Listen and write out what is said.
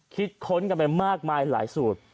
ค้นกันไปมากมายหลายสูตร